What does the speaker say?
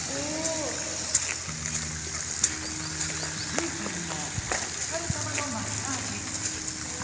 ふーちゃんにもおつかれさまのマッサージ。